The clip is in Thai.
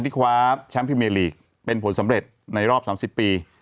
คว้าแชมป์พิเมลีกเป็นผลสำเร็จในรอบ๓๐ปี